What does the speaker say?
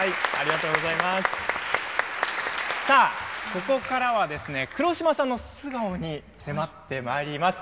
ここからは黒島さんの素顔に迫ってまいります。